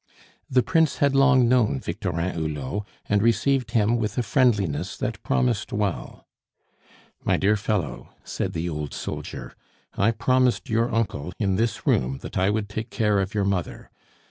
The Prince had long known Victorin Hulot, and received him with a friendliness that promised well. "My dear fellow," said the old soldier, "I promised your uncle, in this room, that I would take care of your mother.